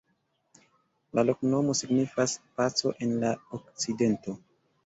La loknomo signifas: "paco en la okcidento".